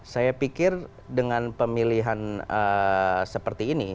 saya pikir dengan pemilihan seperti ini